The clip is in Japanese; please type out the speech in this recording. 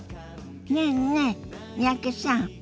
ねえねえ三宅さん。